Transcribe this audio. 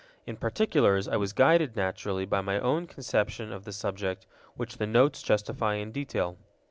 In particulars, I was guided, naturally, by my own conception of the subject, which the Notes justify in detail.